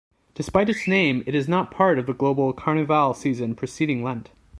Despite its name, it is not part of the global Carnival season preceding Lent.